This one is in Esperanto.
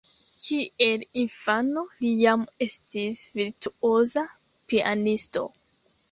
Kiel infano, li jam estis virtuoza pianisto.